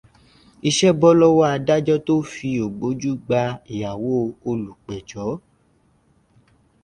Iṣẹ́ bọ́ lọ́wọ́ Adájọ tó fí ògbójú gbà ìyàwó olùpẹ̀jọ́.